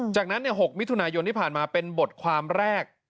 จากนั้น๖มิถุนายนที่ผ่านมาเป็นบทความแรก